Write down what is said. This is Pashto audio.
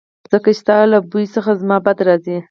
ځکه چې ستا له بوی څخه زما بد راځي